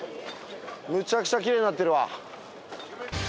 むちゃくちゃきれいになってるわ。